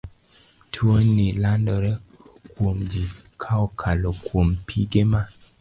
Tuo ni landore kuomji ka okalo kuom pige ma